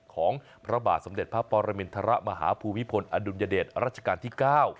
ของพระบาทสมเด็จพระปรมินทรมาฮภูมิพลอดุลยเดชรัชกาลที่๙